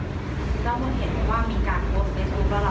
แล้วมันเห็นว่ามีการโพสต์